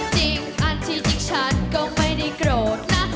จริงอันที่จริงฉันก็ไม่ได้โกรธนะ